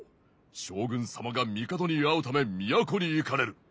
将軍様が帝に会うため都に行かれる。